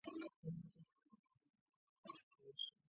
该物种的模式产地在琉球群岛。